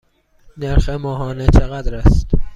نرخ ماهانه چقدر است؟